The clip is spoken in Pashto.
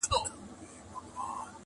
زاړه خلک چوپتيا غوره کوي,